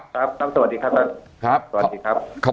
ครับท่านสวัสดีครับท่าน